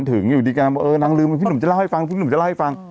ฝันถึงอยู่ดีกันนางลืมว่าพี่หนุ่มจะเล่าให้ฟัง